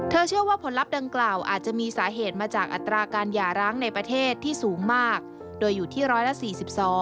เชื่อว่าผลลัพธ์ดังกล่าวอาจจะมีสาเหตุมาจากอัตราการหย่าร้างในประเทศที่สูงมากโดยอยู่ที่๑๔๒